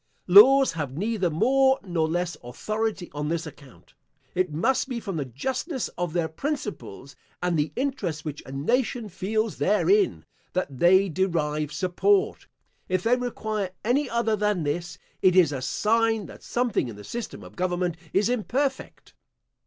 Laws have neither more nor less authority on this account. It must be from the justness of their principles, and the interest which a nation feels therein, that they derive support; if they require any other than this, it is a sign that something in the system of government is imperfect.